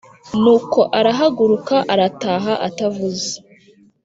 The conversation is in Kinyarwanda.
Nuko arahaguruka arataha atavuze